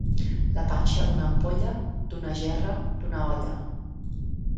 La panxa d'una ampolla, d'una gerra, d'una olla.